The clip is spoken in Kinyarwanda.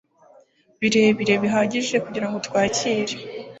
birebire bihagije kugirango twakire